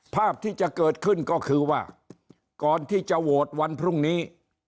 ภาพที่จะเกิดขึ้นก็คือว่าก่อนที่จะโหวตวันพรุ่งนี้